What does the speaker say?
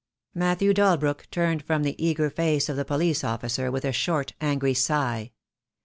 MatthewT Dalbrook turned from the eager face of the police officer with a short, angry sigh.